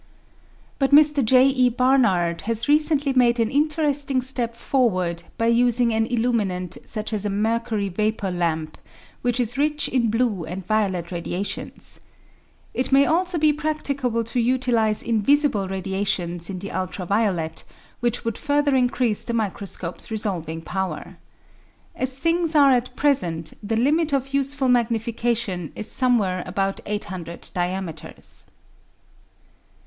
But Mr. J. E. Barnard has recently made an interesting step forward by using an illuminant such as a mercury vapour lamp, which is rich in blue and violet radiations. It may also be prac ticable to utilise invisible radiations in the ultra violet, which would further increase the microscope's resolving power. As things are at present, the limit of useful magnification is some where about 800 diameters.